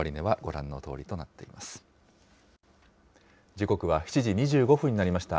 時刻は７時２５分になりました。